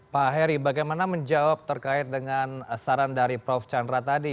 pak heri bagaimana menjawab terkait dengan saran dari prof chandra tadi